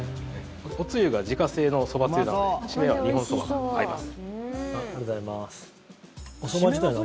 おつゆが自家製のそばつゆなので締めは日本そばになります。